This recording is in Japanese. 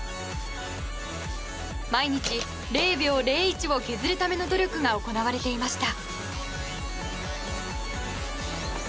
毎日０秒０１を削るための努力が行われていました。